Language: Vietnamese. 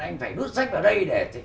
anh phải đút sách vào đây để